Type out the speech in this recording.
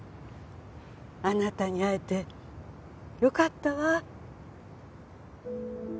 あなたに会えてよかったわ。